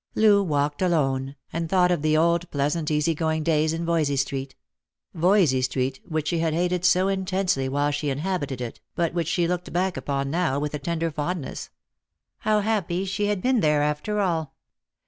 Loo walked alone, and thought of the old pleasant easy going days in Voysey street — Voysey street which she r ad hated so intensely while she inhabited it, but which she looked back upon now with a tender fondness. How happy she had been there, after all